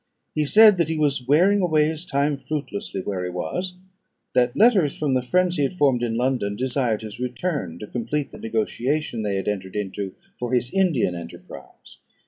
He said that he was wearing away his time fruitlessly where he was; that letters from the friends he had formed in London desired his return to complete the negotiation they had entered into for his Indian enterprise.